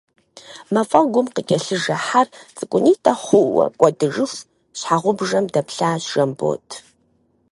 Мафӏэгум къыкӏэлъыжэ хьэр, цӏыкӏунитӏэ хъууэ кӏуэдыжыху, щхьэгъубжэм дэплъащ Жэмбот.